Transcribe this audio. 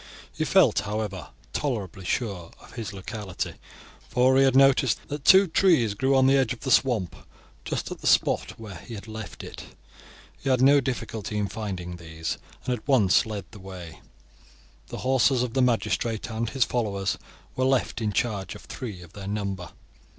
He felt, however, tolerably sure of his locality, for he had noticed that two trees grew on the edge of the swamp just at the spot where he had left it. He had no difficulty in finding these, and at once led the way. The horses of the magistrate and his followers were left in charge of three of their number.